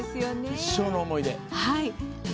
一生の思い出。